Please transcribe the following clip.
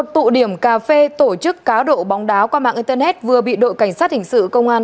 một tụ điểm cà phê tổ chức cá độ bóng đá qua mạng internet vừa bị đội cảnh sát hình sự công an